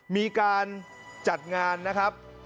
มีการจัดงานนะครับ